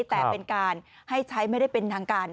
แต่เป็นการให้ใช้ไม่ได้เป็นทางการ